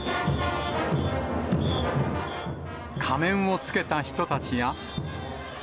仮面をつけた人たちや。